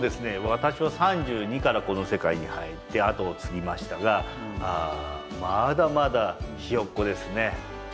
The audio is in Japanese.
私は３２からこの世界に入って後を継ぎましたがまだまだひよっこですね。